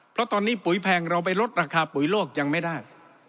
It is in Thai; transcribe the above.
เพราะตอนนี้ปุ๋ยแพงเราไปลดราคาปุ๋ยโลกยังไม่ได้